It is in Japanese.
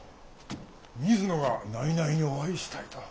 水野が内々にお会いしたいと。